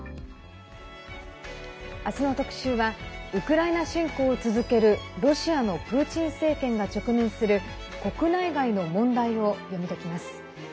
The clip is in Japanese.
明日の特集はウクライナ侵攻を続けるロシアのプーチン政権が直面する国内外の問題を読み解きます。